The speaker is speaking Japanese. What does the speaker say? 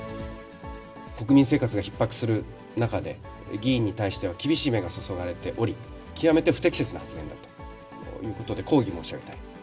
国民生活がひっ迫する中で、議員に対しては厳しい目がそそがれており、極めて不適切な発言だということで、抗議申し上げたい。